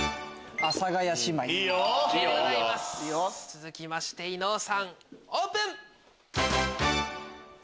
続きまして伊野尾さんオープン！